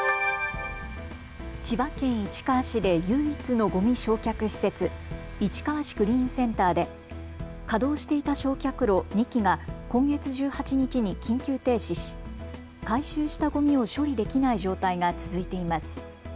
千葉県市川市で唯一のごみ焼却施設、市川市クリーンセンターで稼働していた焼却炉２基が今月１８日に緊急停止し回収したごみを処理できない状態が続いています。